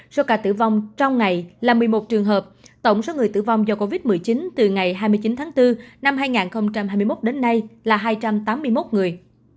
số ca tử vong trong ngày là một mươi một trường hợp tổng số người tử vong do covid một mươi chín từ ngày hai mươi chín tháng bốn năm hai nghìn hai mươi một đến nay là hai trăm tám mươi một người